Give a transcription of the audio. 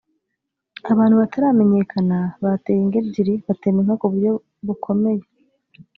Abantu bataramenyekana bateye ingo ebyiri batema inka ku buryo bukomeye